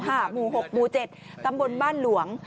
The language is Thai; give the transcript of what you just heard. หมู่๖หมู่๗ตำบลบ้านหลวง